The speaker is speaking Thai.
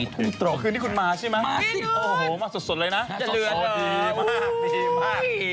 คือนี่คุณมาใช่มั้ย